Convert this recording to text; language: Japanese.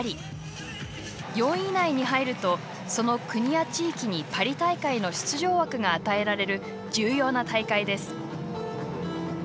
４位以内に入るとその国や地域にパリ大会の出場枠が与えられる重要な大会です。